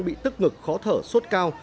bị tức ngực khó thở suốt cao